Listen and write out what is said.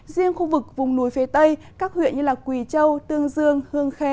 riêng khu vực vùng núi phía tây các huyện như quỳ châu tương dương hương khê